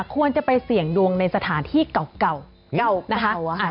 ควรจะไปเสี่ยงดวงในสถานที่เก่านะคะ